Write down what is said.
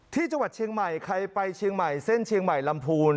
ที่จังหวัดเชียงใหม่ใครไปเชียงใหม่เส้นเชียงใหม่ลำพูน